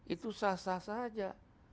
itu sah sah saja